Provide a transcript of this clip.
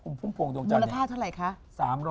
มรดท่าเท่าไหร่คะ